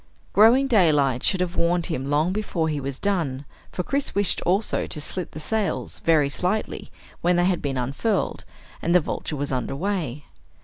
Growing daylight should have warned him long before he was done, for Chris wished also to slit the sails, very slightly, when they had been unfurled and the Vulture was under way.